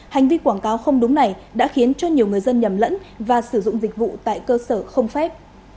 hành vi quảng cáo không đúng này đã khiến cho nhiều người dân nhầm lẫn và sử dụng dịch vụ tại cơ sở không phép